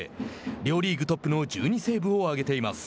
両リーグトップの１２セーブを挙げています。